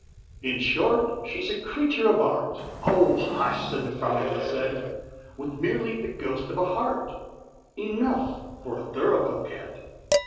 "In short, she's a creature of art," ("Oh hush!" said the frowning Lisette), "With merely the ghost of a heart, Enough for a thorough Coquette.